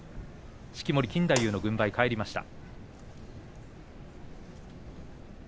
式守勘太夫の軍配、返りました。